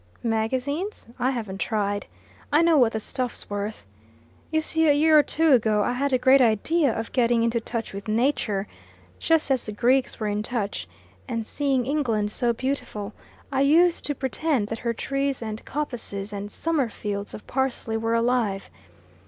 "Magazines? I haven't tried. I know what the stuff's worth. You see, a year or two ago I had a great idea of getting into touch with Nature, just as the Greeks were in touch; and seeing England so beautiful, I used to pretend that her trees and coppices and summer fields of parsley were alive.